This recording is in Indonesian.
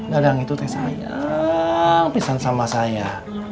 dadang itu teh sayang pisah sama saya